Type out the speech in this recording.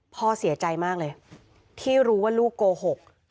พ่อเสียใจมากเลยที่รู้ว่าลูกโกหก